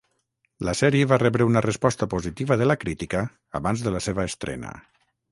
La sèrie va rebre una resposta positiva de la crítica abans de la seva estrena.